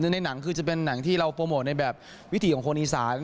ในหนังคือจะเป็นหนังที่เราโปรโมทในแบบวิถีของคนอีสาน